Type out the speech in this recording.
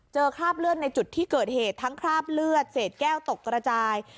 คราบเลือดในจุดที่เกิดเหตุทั้งคราบเลือดเศษแก้วตกกระจาย